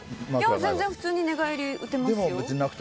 全然、普通に寝返り打てますよ。